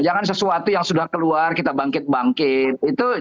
jangan sesuatu yang sudah keluar kita bangkit bangkit